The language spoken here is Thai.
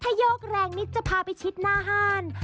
ถ้าโยกแรงนิดจะพาไปชิดหน้าห้าน